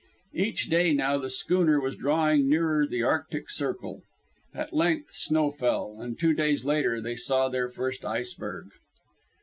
Each day now the schooner was drawing nearer the Arctic Circle. At length snow fell, and two days later they saw their first iceberg.